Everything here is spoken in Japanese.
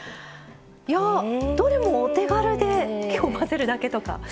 いやどれもお手軽で結構混ぜるだけとか。